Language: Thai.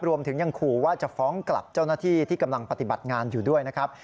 รวมถึงยังขู่ว่าจะฟ้องกลับเจ้าหน้าที่ที่กำลังปฏิบัติงานอยู่ด้วยนะครับ